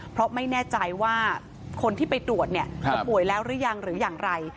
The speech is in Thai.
เพราะไม่แน่ใจว่าคนที่ไปตรวจเนี่ยจะป่วยแล้วหรือยังหรืออย่างไร